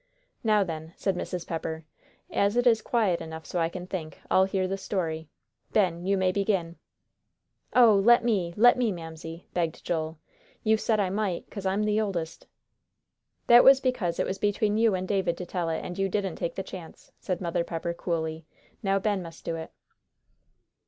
"Now, then," said Mrs. Pepper, "as it is quiet enough so I can think, I'll hear the story. Ben, you may begin." "Oh, let me let me, Mamsie," begged Joel. "You said I might, 'cause I'm the oldest." "That was because it was between you and David to tell it, and you didn't take the chance," said Mother Pepper, coolly. "Now Ben must do it."